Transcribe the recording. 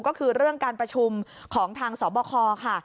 ก็คือเรื่องการประชุมของทางสบคค่ะ